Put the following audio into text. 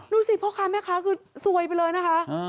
ดูนี่พ่อค้าแม่ค้าสวยไปเลยนะคะ